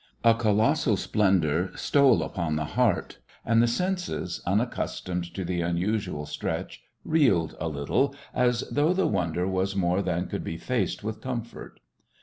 A colossal splendour stole upon the heart, and the senses, unaccustomed to the unusual stretch, reeled a little, as though the wonder was more than could be faced with comfort.